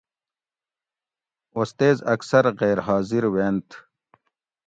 استیز اکثر غیر حاضر وینتھ